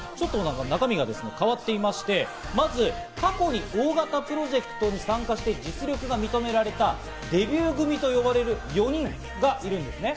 中身がですね、変わってまして、まず過去に大型プロジェクトに参加して実力が認められたデビュー組と呼ばれる４人がいるんですね。